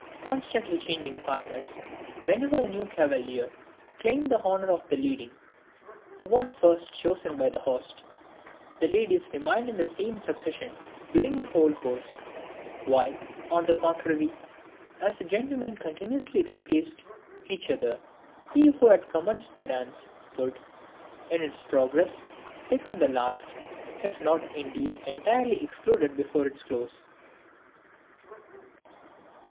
Constantly changing partners, whenever a new cavalier claimed the honor of leading the one first chosen by the host, the ladies remained in the same succession during the whole course; while, on the contrary, as the gentlemen continually replaced each other, he who had commenced the dance, would, in its progress, become the last, if not indeed entirely excluded before its close.